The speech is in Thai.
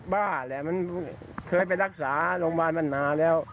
บ้าแหละมันเคยไปรักษาโรงพยาบาลมันนานแล้ว